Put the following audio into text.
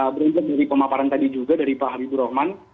berempat dari pemaparan tadi juga dari pak habibur rahman